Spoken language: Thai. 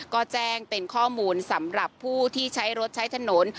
ก็แจ้งเป็นข้อมูลสำหรับผู้ที่ใช้รถใช้ถนน